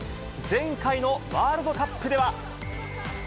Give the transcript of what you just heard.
前回のワールドカップでは。